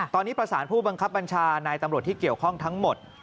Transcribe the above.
ตอนนี้ประสานผู้บังคับบัญชานายตำรวจที่เกี่ยวข้องทั้งหมด